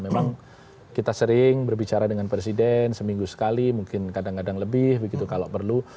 memang kita sering berbicara dengan presiden seminggu sekali mungkin kadang kadang lebih begitu kalau perlu